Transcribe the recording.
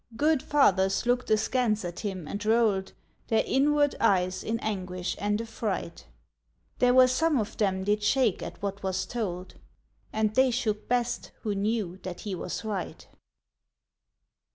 Good fathers looked askance at him and rolled Their inward eyes in anguish and affright ; There were some of them did shake at what was told. And they shook best who knew that he was right.